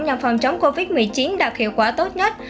nhằm phòng chống covid một mươi chín đạt hiệu quả tốt nhất